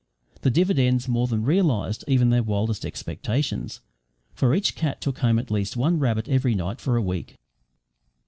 The dividends more than realised even their wildest expectations, for each cat took home at least one rabbit every night for a week.